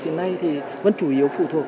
hiện nay vẫn chủ yếu phụ thuộc